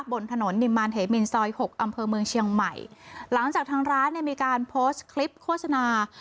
บนถนนนิมมารเหมินซอยหกอำเภอเมืองเชียงใหม่หลังจากทางร้านเนี่ยมีการโพสต์คลิปโฆษณา